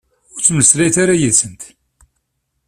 Ur ttmeslayet ara yid-sent.